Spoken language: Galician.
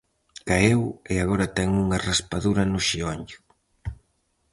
Caeu e agora ten unha raspadura no xeonllo.